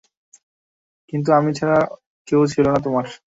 কিন্তু আমি ছাড়া কেউ ছিল না তোমার।